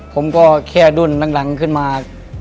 ผมก็แค่รุ่นหลังขึ้นมา